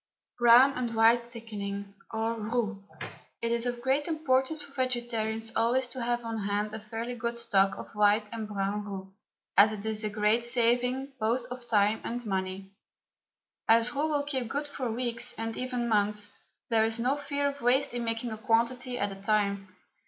BROWN AND WHITE THICKENING, OR ROUX. It is of great importance for vegetarians always to have on hand a fairly good stock of white and brown roux, as it is a great saving both of time and money. As roux will keep good for weeks, and even months, there is no fear of waste in making a quantity at a time.